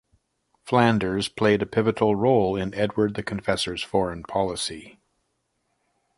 Flanders played a pivotal role in Edward the Confessor's foreign policy.